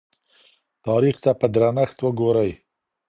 تاریخ ته په درنښت وګورئ.